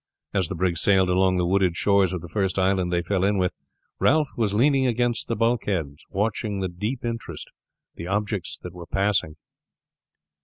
As the brig sailed along the wooded shores of the first island they fell in with, Ralph was leaning against the bulwarks watching with deep interest the objects they were passing.